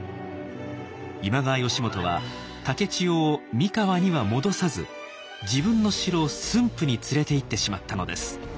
今川義元は竹千代を三河には戻さず自分の城駿府に連れていってしまったのです。